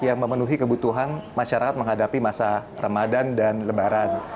yang memenuhi kebutuhan masyarakat menghadapi masa ramadan dan lebaran